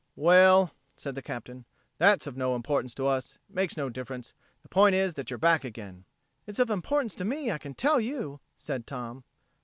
"Well," said the Captain, "that's of no importance to us. It makes no difference. The point is that you're back again." "It's of importance to me, I can tell you," said Tom.